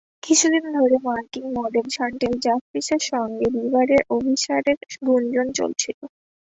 কিছুদিন ধরে মার্কিন মডেল শানটেল জাফ্রিসের সঙ্গে বিবারের অভিসারের গুঞ্জন চলছিল।